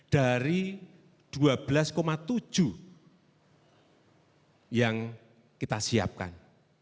dari dua belas tujuh yang kita siapkan